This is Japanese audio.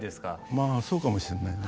まあそうかもしれないね。